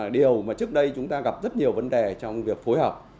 điều mà trước đây chúng ta gặp rất nhiều vấn đề trong việc phối hợp